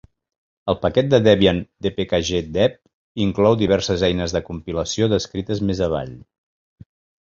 El paquet de Debian "dpkg-dev" inclou diverses eines de compilació descrites més avall.